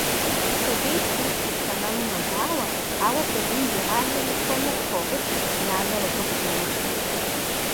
Сабийр хуиту, тэмэму мэбауэ, ауэ сабийм зегъазэри хуэму къыхогъыкӀ, и анэр абы къыдоуш.